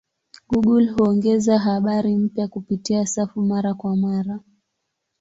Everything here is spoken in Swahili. Google huongeza habari mpya kupitia safu mara kwa mara.